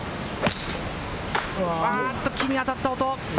木に当たった音！